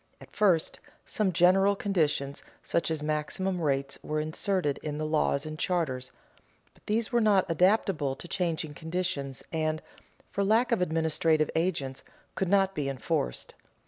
At first, some general conditions such as maximum rates were inserted in the laws and charters; but these were not adaptable to changing conditions and, for lack of administrative agents, could not be enforced.